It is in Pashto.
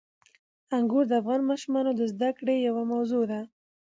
انګور د افغان ماشومانو د زده کړې یوه موضوع ده.